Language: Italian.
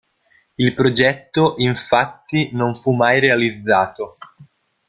Il progetto, infatti, non fu mai realizzato.